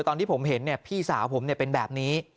แต่ตอนที่ผมเห็นเนี่ยพี่สาวผมเนี่ยเป็นแบบนี้